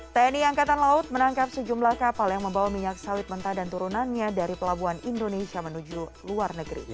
tni angkatan laut menangkap sejumlah kapal yang membawa minyak sawit mentah dan turunannya dari pelabuhan indonesia menuju luar negeri